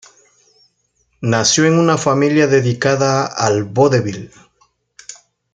Nació en una familia dedicada al vodevil.